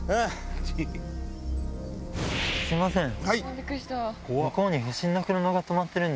すみません。